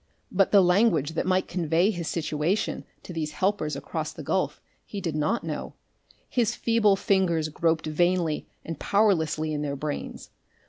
But the language that might convey his situation to these helpers across the gulf he did not know; his feeble fingers groped vainly and powerlessly in their brains.